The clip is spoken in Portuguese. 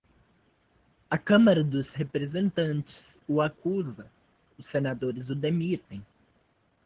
A Câmara dos Representantes o acusa, os senadores o demitem.